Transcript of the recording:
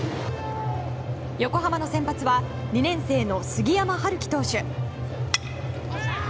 横浜の先発は２年生の杉山遙希投手。